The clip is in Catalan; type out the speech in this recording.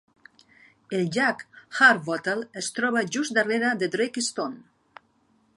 El llac Harbottle es troba just darrera de Drake Stone.